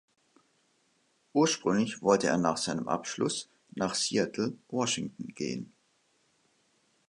Ursprünglich wollte er nach seinem Abschluss nach Seattle, Washington gehen.